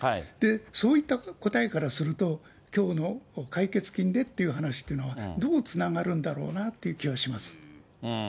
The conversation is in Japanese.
そういった答えからすると、きょうの解決金でという話というのは、どうつながるんだろうなという気はします。